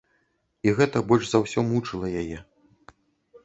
І гэта больш за ўсё мучыла яе.